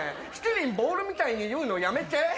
しちりんボールみたいに言うのやめて。